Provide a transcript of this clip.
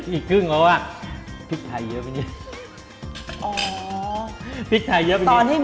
อีกครึ่งเพราะว่าพริกไทยเยอะไปเยอะ